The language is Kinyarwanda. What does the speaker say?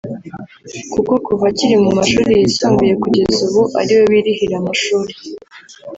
kuko kuva akiri mu mashuri yisumbuye kugeza ubu ari we wirihira amashuri